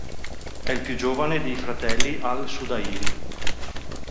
È il più giovane dei fratelli al-Sudayrī.